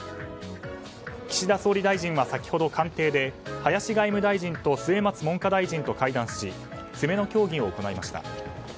岸田総理大臣は先ほど官邸で林外務大臣と末松文科大臣と会談し詰めの協議を行いました。